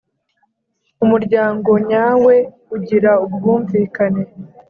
Umuryango nyawe ugira ubwumvikane.